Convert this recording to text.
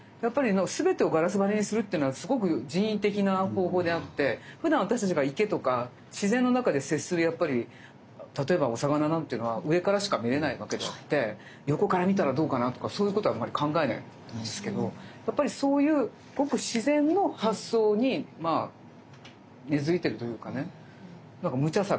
全てをガラス張りにするっていうのはすごく人為的な方法であってふだん私たちが池とか自然の中で接する例えばお魚なんていうのは上からしか見えないわけであって横から見たらどうかなとかそういうことはあんまり考えないと思うんですけどやっぱりそういうごく自然の発想に根づいているというかねなんかむちゃさがないというかね